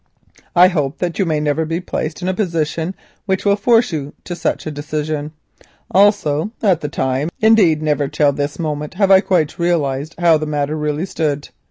I hope that you may never be placed in a position which will force you to such a decision. Also at the time, indeed never till this moment, have I quite realised how the matter really stood.